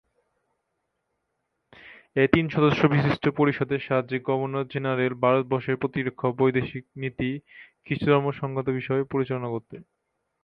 এই তিন সদস্য বিশিষ্ট পরিষদের সাহায্যে গভর্নর জেনারেল ভারতবর্ষের প্রতিরক্ষা, বৈদেশিক নীতি, খ্রিস্টধর্ম সংক্রান্ত বিষয় পরিচালনা করতেন।